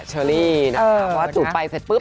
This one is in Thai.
หรือว่าจุดไปแล้วโป๊บ